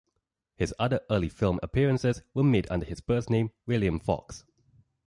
His other early film appearances were made under his birth name, William Fox.